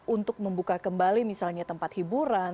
untuk membuka kembali misalnya tempat hiburan